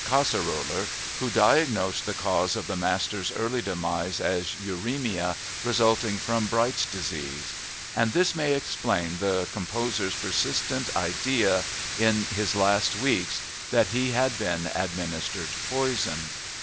Kasseroller, who diagnosed the cause of the master's early demise as uremia resulting from Bright's disease. And this may explain the composer's persistent idea in his last weeks that he had been administered poison.